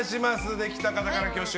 できた方から挙手。